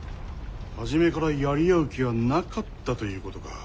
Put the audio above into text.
初めからやり合う気はなかったということか。